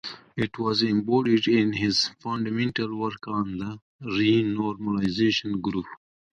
It was embodied in his fundamental work on the renormalization group.